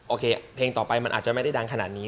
โอเคเพลงต่อไปมันอาจจะไม่ได้ดังขนาดนี้